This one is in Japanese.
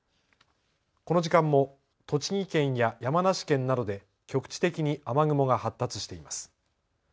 この時間も栃木県や山梨県などで局地的に雨雲が発達しています。